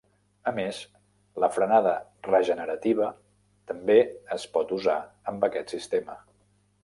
A més, la frenada regenerativa també es port usar amb aquest sistema.